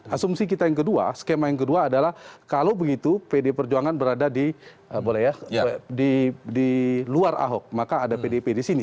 asumsi kita yang kedua skema yang kedua adalah kalau begitu pd perjuangan berada di luar ahok maka ada pdip di sini